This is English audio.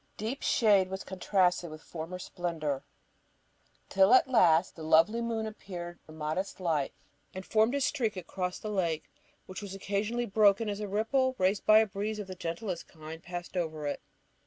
Deep shade was contrasted with former splendour, till at last the lovely moon appeared with her modest light, and formed a streak across the lake, which was occasionally broken as a ripple, raised by a breeze of the gentlest kind, passed over it.